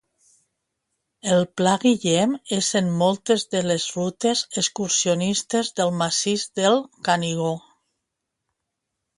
El Pla Guillem és en moltes de les rutes excursionistes del Massís del Canigó.